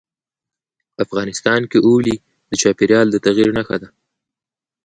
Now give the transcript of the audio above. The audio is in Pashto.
افغانستان کې اوړي د چاپېریال د تغیر نښه ده.